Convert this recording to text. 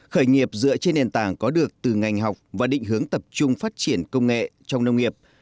khởi nghiệp dựa trên nền tảng có được từ ngành học và định hướng tập trung phát triển công nghệ trong nông nghiệp